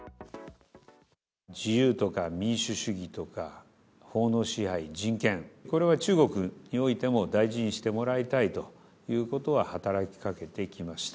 自由とか民主主義とか法の支配、人権、これは中国においても大事にしてもらいたいということは、働きかけてきました。